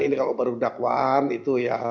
ini kalau baru dakwaan itu ya